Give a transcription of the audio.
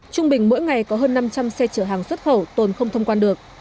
trung bình mỗi ngày có hơn năm trăm linh xe chở hàng xuất khẩu tồn không thông quan được